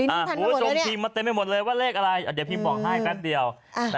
อ่าโหจงพิมมาเต็มให้หมดเลยว่าเลขอะไรเดี๋ยวพิมบอกให้แป๊บเดียว